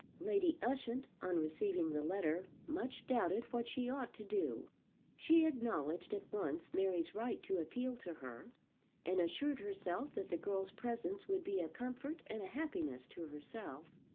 Lady Ushant on receiving the letter much doubted what she ought to do. She acknowledged at once Mary's right to appeal to her, and assured herself that the girl's presence would be a comfort and a happiness to herself.